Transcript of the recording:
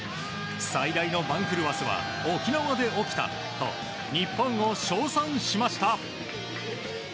最大の番狂わせは沖縄で起きたと日本を称賛しました。